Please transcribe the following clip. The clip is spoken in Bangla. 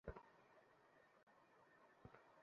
নিসার আলির মন গ্লানিতে ভরে গেল।